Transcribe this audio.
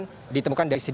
yang ditemukan dari sini